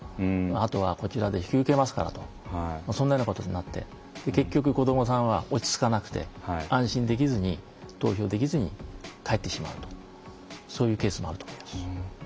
あとはこちらで引き受けますからとそんなようなことになって結局、子どもさんは落ち着かなくて安心できずに投票できずに帰ってしまう、そういうケースもあると思います。